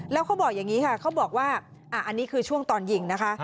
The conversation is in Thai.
แล้วเขาบอกอย่างนี้ค่ะเขาบอกว่าอันนี้คือช่วงตอนยิงนะคะ